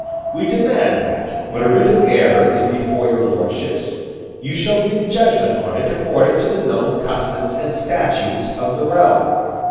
We demand that, when a writ of error is before Your Lordships, you shall give judgment on it according to the known customs and statutes of the realm.